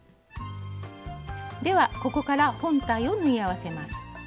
ではここから本体を縫い合わせます。